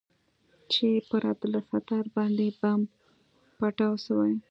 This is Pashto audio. چې پر عبدالستار باندې بم پټاو سوى.